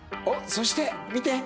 そして見て！